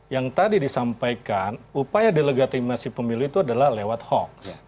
yang tadi disampaikan upaya delegati pemilu itu adalah lewat hoax